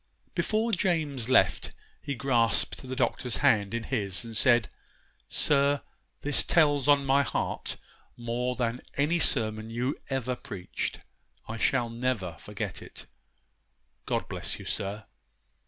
Before James left, he grasped the Doctor's hand in his and said, 'Sir, this tells on my heart more than any sermon you ever preached, I shall never forget it. God bless you, sir!